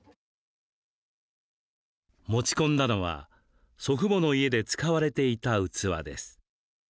持ち込んだのは、祖父母の家で使われていた器です。